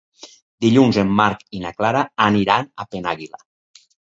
Dilluns en Marc i na Clara aniran a Penàguila.